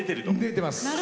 出てます。